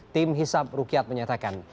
tim hisap rukyat menyatakan